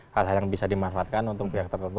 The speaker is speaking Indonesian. hal hal yang bisa dimanfaatkan untuk pihak tertentu